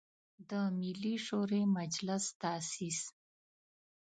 د ملي شوری مجلس تاسیس.